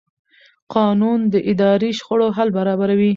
قانون د اداري شخړو حل برابروي.